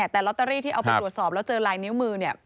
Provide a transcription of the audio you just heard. แต่ลอตเตอรี่ที่เอาไปตรวจสอบแล้วเจอลายนิ้วมือเนี่ย